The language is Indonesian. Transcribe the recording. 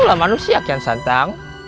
itulah manusia yang santang